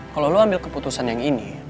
kalau lo ambil keputusan yang ini